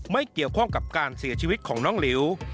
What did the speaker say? ไม่เกี่ยวข้องกับการเสียชีวิตของน้องหลิว